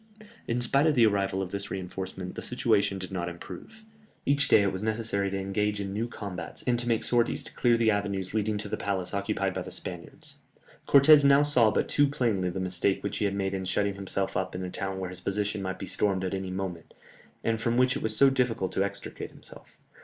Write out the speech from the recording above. In spite of the arrival of this reinforcement, the situation did not improve. Each day it was necessary to engage in new combats, and to make sorties to clear the avenues leading to the palace occupied by the Spaniards. Cortès now saw but too plainly the mistake which he had made in shutting himself up in a town where his position might be stormed at any moment, and from which it was so difficult to extricate himself.